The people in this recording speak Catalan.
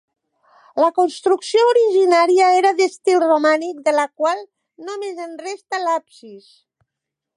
La construcció originària era d'estil romànic, de la qual només en resta l'absis.